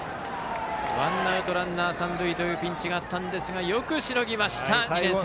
ワンアウトランナー、三塁というピンチがあったんですがよくしのぎました、２年生。